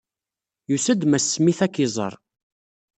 Yusa-d Mass Smith ad k-iẓeṛ.